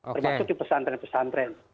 termasuk di pesantren pesantren